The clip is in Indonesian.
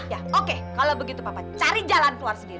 ya oke kalau begitu papa cari jalan keluar sendiri